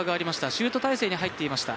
シュート体勢に入っていました。